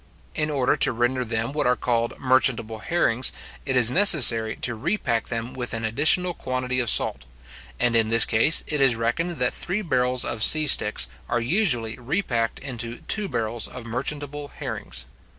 In order to render them what are called merchantable herrings, it is necessary to repack them with an additional quantity of salt; and in this case, it is reckoned, that three barrels of sea sticks are usually repacked into two barrels of merchantable herrings.